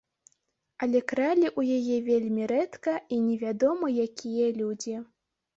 Але кралі ў яе вельмі рэдка і невядома якія людзі.